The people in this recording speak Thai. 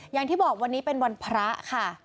อย่างที่บอกวันนี้เป็นวันพระค่ะ